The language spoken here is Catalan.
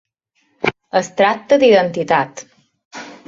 Es tracta d'identitat.